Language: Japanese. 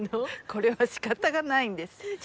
これは仕方がないんです。